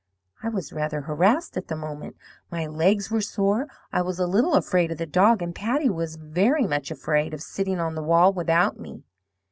I was rather harassed at the moment. My legs were sore, I was a little afraid of the dog, and Patty was very much afraid of sitting on the wall without me.